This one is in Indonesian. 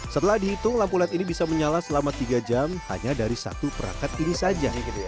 setelah dihitung lampu led ini bisa menyala selama tiga jam hanya dari satu perangkat ini saja